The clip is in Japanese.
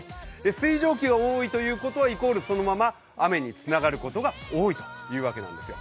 水蒸気が多いということはイコールそのまま雨につながることが多いというわけなんですよ。